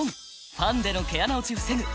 ファンデの毛穴落ち防ぐ！